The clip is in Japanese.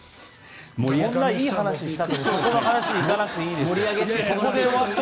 こんないい話したのにそんな話しなくていいです。